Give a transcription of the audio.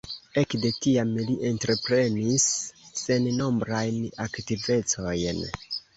Ekde tiam li entreprenis sennombrajn aktivecojn.